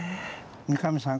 三上さん